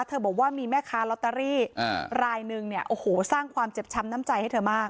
บอกว่ามีแม่ค้าลอตเตอรี่รายนึงเนี่ยโอ้โหสร้างความเจ็บช้ำน้ำใจให้เธอมาก